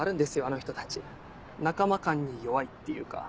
あの人たち仲間感に弱いっていうか。